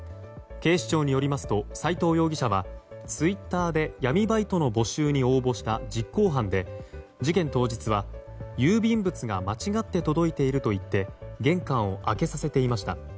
警視庁によりますと齋藤容疑者は、ツイッターで闇バイトの募集に応募した実行犯で事件当日は、郵便物が間違って届いていると言って玄関を開けさせていました。